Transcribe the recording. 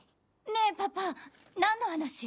ねぇパパ何の話？